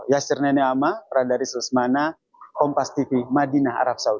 ya sirneni ama radaris usmana kompas tv madinah arab saudi